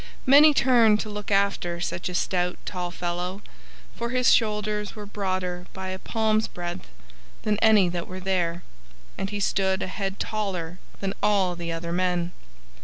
Many turned to look after such a stout, tall fellow, for his shoulders were broader by a palm's breadth than any that were there, and he stood a head taller than all the other men.